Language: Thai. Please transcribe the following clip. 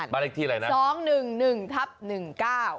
ไปถูกบ้าน๒๑๑๑๙